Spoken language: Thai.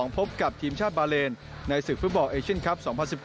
พบกับทีมชาติบาเลนในศึกฟุตบอลเอเชียนคลับ๒๐๑๙